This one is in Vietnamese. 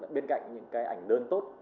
bên cạnh những cái ảnh đơn tốt